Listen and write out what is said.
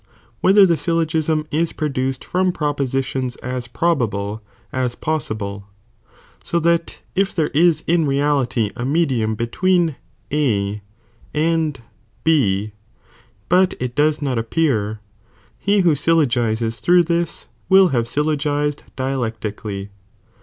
whether the ayllogisni is produced «i irbfihciiin from propositions as probable as possible, so that JJlJ^^^* „„,. if there is in reahty a medium between A and B, pMiiiom np» but it does not appear, he who syllogizes through '""° this, will have syllogized dialectically.